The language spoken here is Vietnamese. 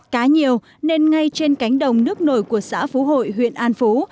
cá nhiều nên ngay trên cánh đồng nước nổi của xã phú hội huyện an phú